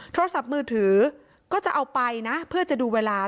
โทรศัพท์มือถือก็จะเอาไปนะเพื่อจะดูเวลา